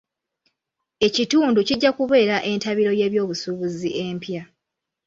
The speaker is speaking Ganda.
Ekitundu kijja kubeera entabiro y'ebyobusuubuzi empya.